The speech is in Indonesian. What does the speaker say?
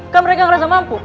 kan mereka ngerasa mampu